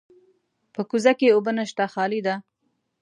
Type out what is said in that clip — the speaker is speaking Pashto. په کوزه کې اوبه نشته، خالي ده.